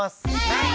はい！